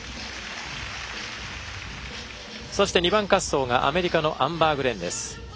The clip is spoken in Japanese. そして２番滑走がアメリカのアンバー・グレンです。